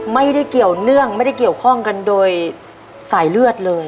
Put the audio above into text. ไม่ได้เกี่ยวเนื่องไม่ได้เกี่ยวข้องกันโดยสายเลือดเลย